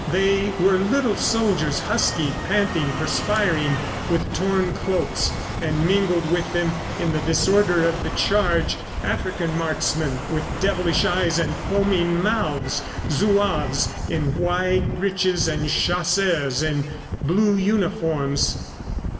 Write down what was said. They were little soldiers, husky, panting, perspiring, with torn cloaks; and mingled with them, in the disorder of the charge, African marksmen with devilish eyes and foaming mouths, Zouaves in wide breeches and chasseurs in blue uniforms.